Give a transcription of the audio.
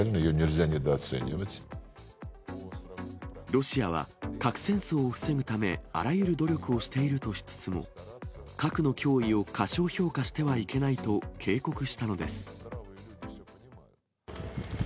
ロシアは、核戦争を防ぐため、あらゆる努力をしているとしつつも、核の脅威を過小評価してはいけないと警告したのです。